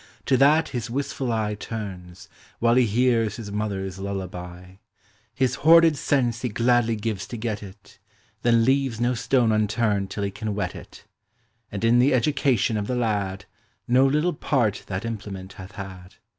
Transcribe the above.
To that his wistful eye Turns, while he hears his mother's lullaby; yo rot:us of home. II in hoarded cents he gladly gives to get it, Thou leaves no stone unturned till he cau whet it; And in the education of the lad No little part that implement hath had.